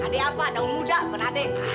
adik apa daun muda bernade